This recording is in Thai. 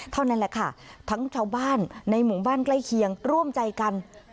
เท่านั้นแหละค่ะทั้งชาวบ้านในหมู่บ้านใกล้เคียงร่วมใจกัน